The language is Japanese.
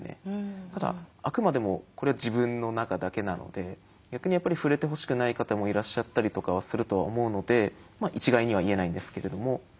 ただあくまでもこれは自分の中だけなので逆にやっぱり触れてほしくない方もいらっしゃったりとかはすると思うので一概には言えないんですけれども。